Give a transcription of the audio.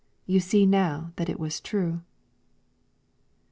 You see now that it was true."